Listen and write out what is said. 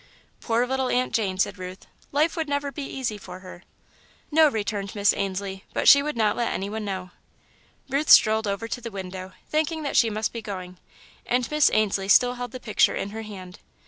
"Poor little Aunt Jane," said Ruth. "Life never would be easy for her." "No," returned Miss Ainslie, "but she would not let anyone know." Ruth strolled over to the window, thinking that she must be going, and Miss Ainslie still held the picture in her hand.